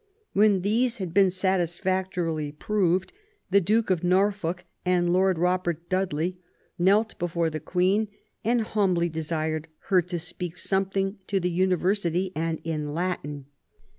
When these had been satisfactorily proved, the Duke of Norfolk and Lord Robert Dudley knelt before the Queen and *' humbly desired her to speak something to the University, and in Latin